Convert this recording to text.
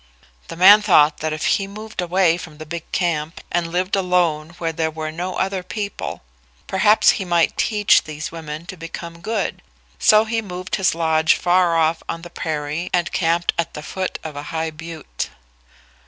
The man thought that if he moved away from the big camp and lived alone where there were no other people perhaps he might teach these women to become good; so he moved his lodge far off on the prairie and camped at the foot of a high butte.